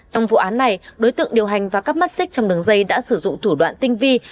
trong vụ án này đối tượng điều hành và cắp mắt xích trong đường dây đã sử dụng thủ đoạn tinh vi